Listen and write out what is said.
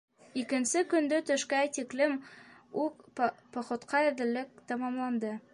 Икенсе көндө төшкә тиклем үк походҡа әҙерлек тамамланды.